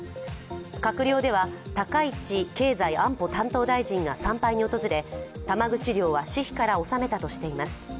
閣僚では高市経済安保担当大臣が参拝に訪れ、玉串料は私費から納めたとしています。